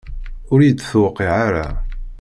Ur yi-d-tewqiɛ ara.